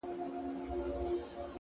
مثبت ذهن ناامیدي کمزورې کوي